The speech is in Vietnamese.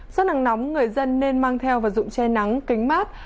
do năng nóng người dân nên mang theo và dụng che nắng kính mát